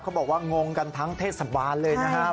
บอกว่างงกันทั้งเทศบาลเลยนะครับ